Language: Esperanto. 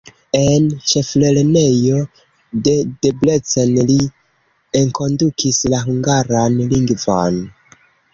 En ĉeflernejo de Debrecen li enkondukis la hungaran lingvon.